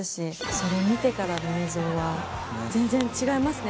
それ見てからの映像は全然違いますね